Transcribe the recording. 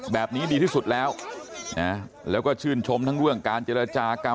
แบบนี้ดีที่สุดแล้วนะแล้วก็ชื่นชมทั้งเรื่องการเจรจากรรม